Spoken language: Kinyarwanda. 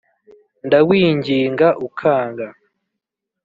ndawinginga ukanga